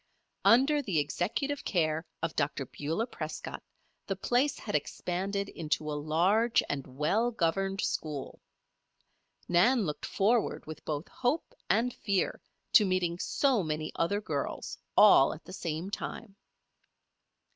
Under the executive care of Dr. Beulah Prescott the place had expanded into a large and well governed school. Nan looked forward with both hope and fear to meeting so many other girls all at the same time.